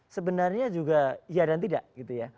sebenarnya juga iya dan tidak gitu ya